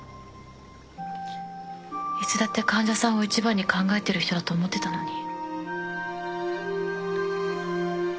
いつだって患者さんを一番に考えてる人だと思ってたのに。